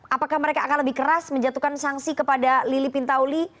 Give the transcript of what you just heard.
apakah mereka akan lebih keras menjatuhkan sanksi kepada lili pintauli